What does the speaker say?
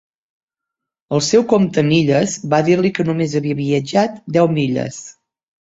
El seu comptamilles va dir-li que només havia viatjat deu milles.